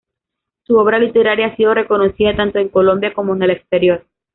Su obra literaria ha sido reconocida tanto en Colombia como en el exterior.